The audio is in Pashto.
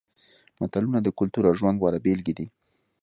متلونه د کلتور او ژوند غوره بېلګې دي